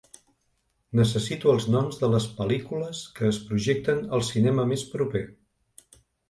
Necessito els noms de les pel·lícules que es projecten al cinema més proper